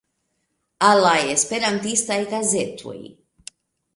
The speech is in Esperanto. Al la Esperantistaj Gazetoj.